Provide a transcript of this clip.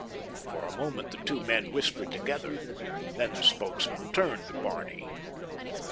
For a moment the two men whispered together, then the spokesman turned to Barney.